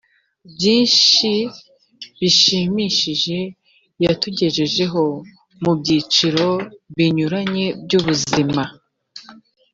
byinshi bishimishije yatugejejeho mu byiciro binyuranye by ubuzima